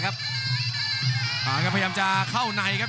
พยายามจะเข้าในครับ